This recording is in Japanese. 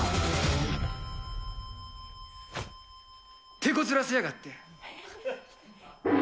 てこずらせやがって。